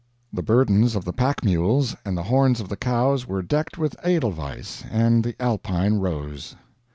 The burdens of the pack mules and the horns of the cows were decked with the Edelweiss and the Alpine rose.